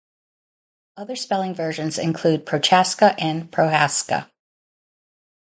Other spelling versions include Prochaska and Prohaska.